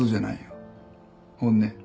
本音。